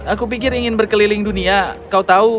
aku pikir ingin berkeliling dunia kau tahu